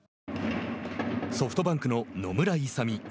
ソフトバンクの野村勇。